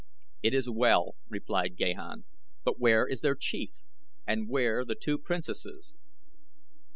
"It is well," replied Gahan; "but where is their Chief, and where the two Princesses?"